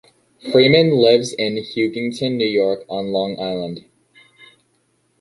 Freeman lives in Huntington, New York on Long Island.